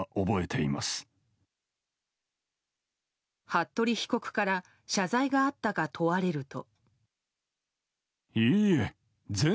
服部被告から謝罪があったか問われると。